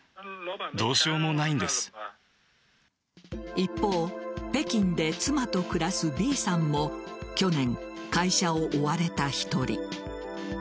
一方、北京で妻と暮らすＢさんも去年、会社を追われた１人。